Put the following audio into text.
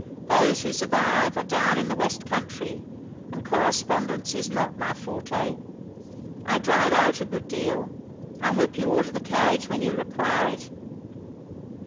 Those who survive are down in the West country, and correspondence is not my forte. I drive out a good deal. I hope you order the carriage when you require it?"